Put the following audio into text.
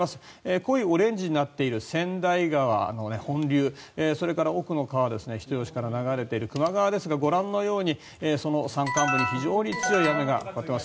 濃いオレンジになっている川内川の本流それから奥の川、人吉から流れている球磨川ですがご覧のようにその山間部に非常に強い雨がかかっています。